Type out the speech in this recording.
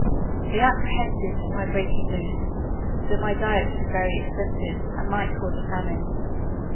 They apprehended my breaking loose; that my diet would be very expensive, and might cause a famine.